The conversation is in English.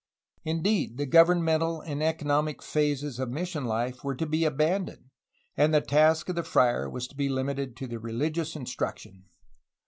Indeed, the governmental and economic phases of mission life were to be abandoned, and the task of the friar was to be limited to religious instruction.